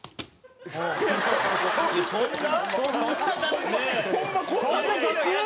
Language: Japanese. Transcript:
そんな雑？